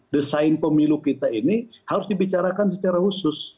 desain pemilu kita ini harus dibicarakan secara khusus